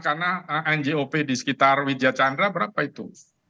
karena ngop di sekitar widyacandra berapa itu